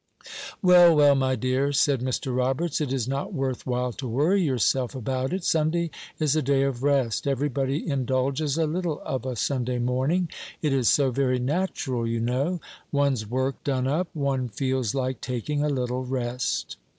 "Well, well, my dear," said Mr. Roberts, "it is not worth while to worry yourself about it; Sunday is a day of rest; every body indulges a little of a Sunday morning, it is so very natural, you know; one's work done up, one feels like taking a little rest."